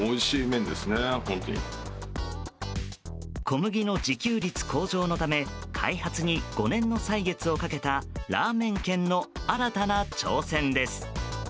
小麦の自給率向上のため開発に５年の歳月をかけたラーメン県の、新たな挑戦です。